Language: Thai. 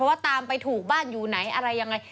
ว่าตามไปถูกบ้านอยู่ไหนอะไรยังไง